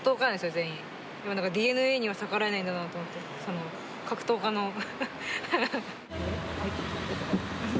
でも何かＤＮＡには逆らえないんだなと思って格闘家の。